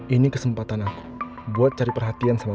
ini bubar bumbar semua